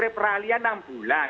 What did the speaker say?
peralian enam bulan